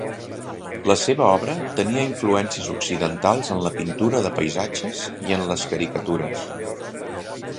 La seva obra tenia influències occidentals en la pintura de paisatges i en les caricatures.